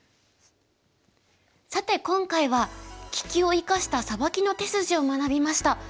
さて今回は利きを生かしたサバキの手筋を学びました。